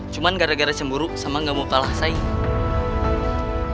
cuman gara gara cemburu sama gak mau kalah saing